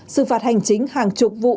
sử phạt hành chính hàng chục vụ